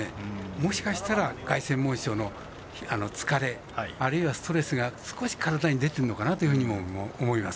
もしかしたら凱旋門賞の疲れあるいはストレスが少し体に出てるのかなというふうに思います。